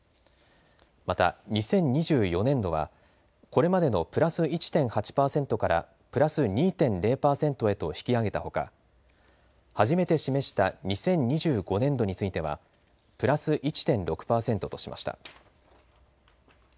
また２０２４年度はこれまでのプラス１．８％からプラス２．０％へと引き上げたほか、初めて示した２０２５年度についてはプラス１．６％としました。